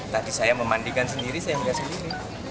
tadi saya memandikan sendiri saya melihat sendiri